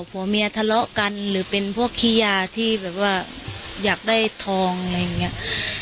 ผัวเมียทะเลาะกันหรือเป็นพวกขี้ยาที่แบบว่าอยากได้ทองอะไรอย่างนี้